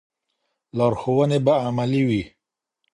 لارښوونې به عملي وي.